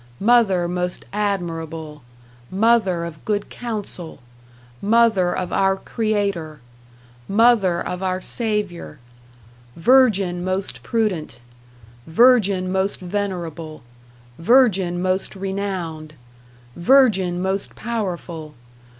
Mother most admirable. Mother of good counsel. Mother of our Creator. Mother of our Savior. Virgin most prudent. Virgin most venerable. Virgin most renowned. Virgin most powerful.